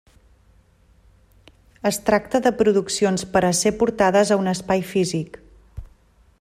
Es tracta de produccions per a ser portades a un espai físic.